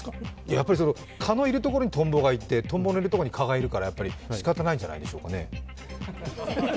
やっぱり蚊のいるところにトンボがいて、トンボのいるところに蚊がいるからしかたないんじゃないでしょうかね。